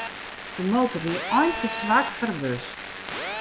De motor wie eink te swak foar de bus.